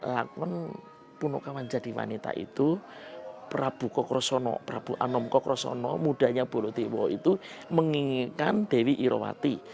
lakon punakawan jadi wanita itu prabu kokrosono prabu anom kokrosono mudanya bolotewo itu menginginkan dewi erowati